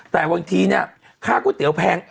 แต่บางทีเนี่ยค่าก๋วยเตี๋ยวแพง